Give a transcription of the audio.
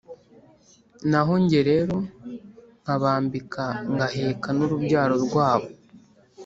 naho jye rero, nkabambika ngaheka n'urubyaro rwabo.